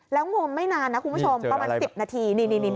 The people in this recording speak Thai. แล้วงมไม่นานนะคุณผู้ชมประมาณ๑๐นาที